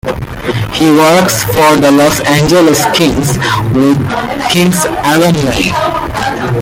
He works for the Los Angeles Kings with Kings alumni.